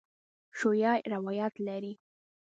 شیعه روایت لري.